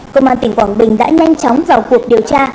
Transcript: công an tỉnh quảng bình đã nhanh chóng vào cuộc điều tra